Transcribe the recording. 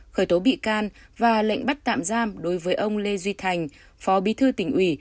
khởi tố bị can và lệnh bắt tạm giam đối với ông lê duy thành phó bí thư tỉnh ủy